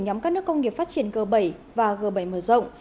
nhóm các nước công nghiệp phát triển g bảy và g bảy mở rộng